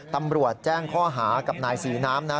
ตำรวจแจ้งข้อหากับนายศรีน้ำนะ